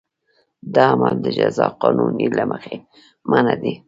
دا عمل د جزا قانون له مخې منع دی.